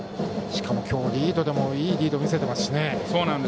しかも今日、リードでもいいリード見せてますしね。